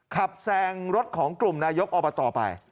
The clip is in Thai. แซงรถของกลุ่มนายกอบตไป